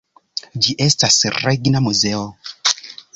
Ĝi estas regna muzeo.